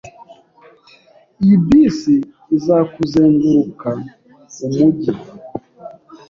Iyi bisi izakuzenguruka umujyi.